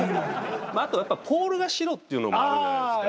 あとはやっぱポールが白っていうのもあるんじゃないですか。